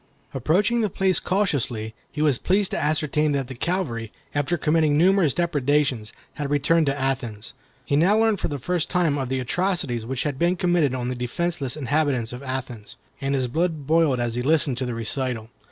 Approaching the place cautiously, he was pleased to ascertain that the cavalry, after committing numerous depredations, had retreated to Athens. He now learned for the first time of the atrocities which had been committed on the defenceless inhabitants of Athens, and his blood boiled as he listened to the recital.